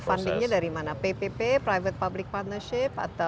fundingnya dari mana ppp private public partnership atau